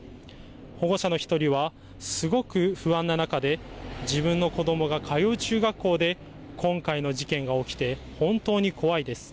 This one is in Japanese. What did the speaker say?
保護者の１人はすごく不安な中で自分の子どもが通う中学校で今回の事件が起きて本当に怖いです。